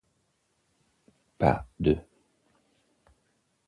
Pas de.